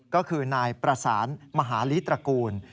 ก็คือนายประสานมหาลิตระกูล